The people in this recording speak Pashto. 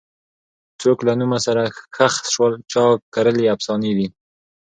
څوک له نومه سره ښخ سول چا کرلي افسانې دي